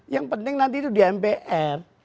yang penting nanti itu di mpr